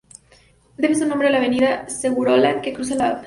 Debe su nombre a la Avenida Segurola, que cruza la Av.